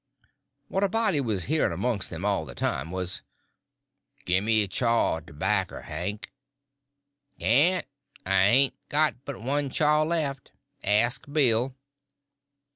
What a body was hearing amongst them all the time was: "Gimme a chaw 'v tobacker, Hank." "Cain't; I hain't got but one chaw left. Ask Bill."